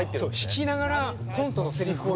弾きながらコントのせりふを。